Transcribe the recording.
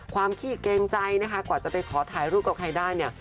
ขี้เกรงใจนะคะกว่าจะไปขอถ่ายรูปกับใครได้เนี่ย